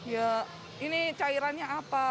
ya ini cairannya apa